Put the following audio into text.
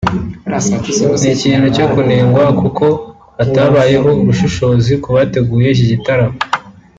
ni ikintu cyo kunengwa kuko hatabayeho ubushishozi ku bateguye iki gitaramo